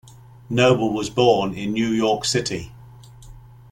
Noble was born in New York City.